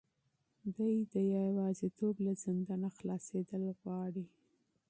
دی د یوازیتوب له زندانه خلاصېدل غواړي.